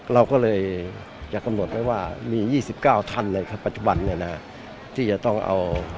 เราก็เลยจะกำหนดไว้ว่ามี๒๙ท่านนะครับปัจจุบันเนี่ยนะที่จะต้องเอา